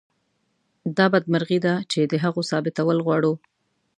دا بدمرغي ده چې د هغو ثابتول غواړو.